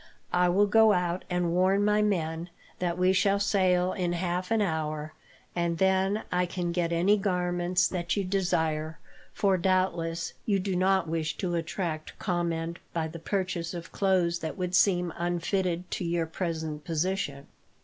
"I will go out, and warn my men that we shall sail in half an hour, and then I can get any garments that you desire; for, doubtless, you do not wish to attract comment by the purchase of clothes that would seem unfitted to your present position."